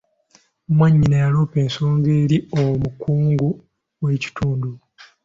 Mwannyina yaloopa ensonga eri omukungu w'ekitundu.